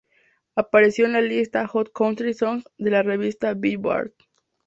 Apareció en la lista "Hot Country Songs" de la revista "Billboard".